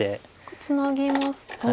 これツナぎますと。